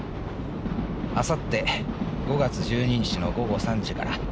あさって５月１２日の午後３時から。